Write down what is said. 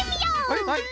はいはい！